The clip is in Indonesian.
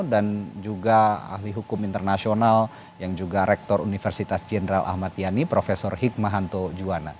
dan juga ahli hukum internasional yang juga rektor universitas jenderal ahmad yani prof hikmahanto juwana